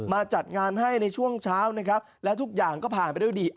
จัดงานให้ในช่วงเช้านะครับและทุกอย่างก็ผ่านไปด้วยดี